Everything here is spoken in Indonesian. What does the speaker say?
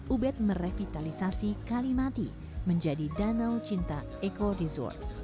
ubed merevitalisasi kalimati menjadi danau cinta eco desort